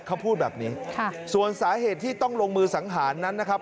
เขาพูดแบบนี้ส่วนสาเหตุที่ต้องลงมือสังหารนั้นนะครับ